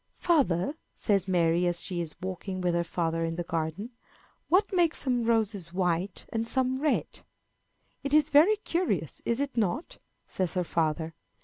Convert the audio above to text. "Father," says Mary, as she is walking with her father in the garden, "what makes some roses white and some red?" "It is very curious, is it not?" says her father.